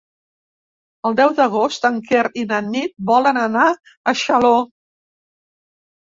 El deu d'agost en Quer i na Nit volen anar a Xaló.